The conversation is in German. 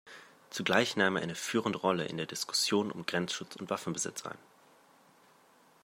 Zugleich nahm er eine führende Rolle in der Diskussion um Grenzschutz und Waffenbesitz ein.